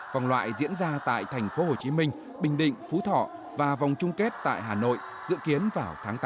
vòng loại diễn ra tại thành phố hồ chí minh bình định phú thọ và vòng chung kết tại hà nội dự kiến vào tháng tám tới